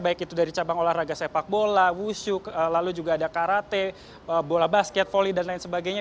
baik itu dari cabang olahraga sepak bola wushu lalu juga ada karate bola basket volley dan lain sebagainya